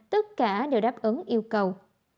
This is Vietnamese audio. tất cả đều đáp ứng yêu cầu